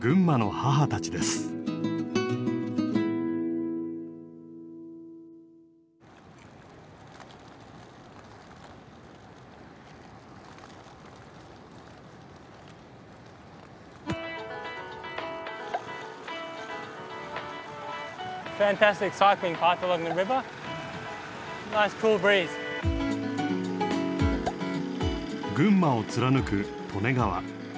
群馬を貫く利根川。